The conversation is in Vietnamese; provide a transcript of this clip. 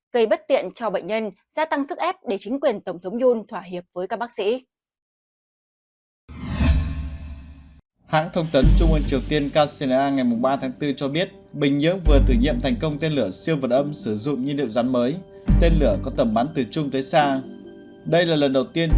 gây bất tiện cho bệnh nhân gia tăng sức ép để chính quyền tổng thống yon thỏa hiệp với các bác sĩ